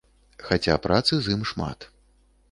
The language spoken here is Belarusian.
Хаця працы з ім шмат.